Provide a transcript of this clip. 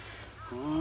うん。